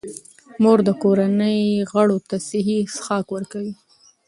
مور د کورنۍ غړو ته صحي څښاک ورکوي.